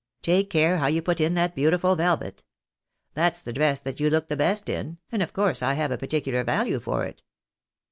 " Take care how you put in that beautiful velvet. That's the dress that you look the best in, and of course I have a particu lar value for it."